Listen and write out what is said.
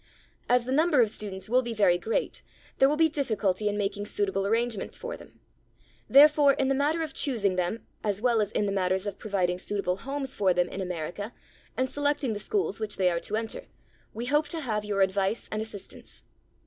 As the number of students will be very great, there will be difficulty in making suitable arrangements for them. Therefore, in the matter of choosing them, as well as in the matters of providing suitable homes for them in America and selecting the schools which they are to enter, we hope to have your advice and assistance.